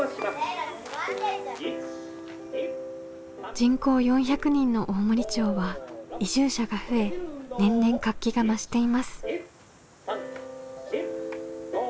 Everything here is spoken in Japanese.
人口４００人の大森町は移住者が増え年々活気が増しています。